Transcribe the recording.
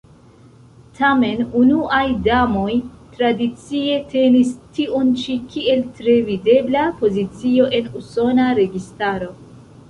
Tamen, unuaj damoj tradicie tenis tion ĉi kiel tre videbla pozicio en Usona registaro.